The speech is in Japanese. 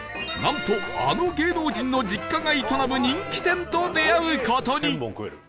なんとあの芸能人の実家が営む人気店と出会う事に